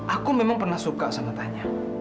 aku memang pernah suka sama tanya